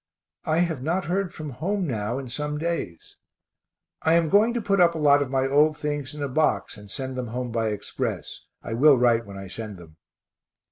I have not heard from home now in some days. I am going to put up a lot of my old things in a box and send them home by express. I will write when I send them.